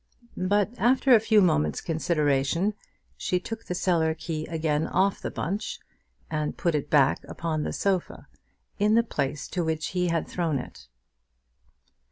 But after a few moments' consideration she took the cellar key again off the bunch, and put it back upon the sofa, in the place to which he had thrown it.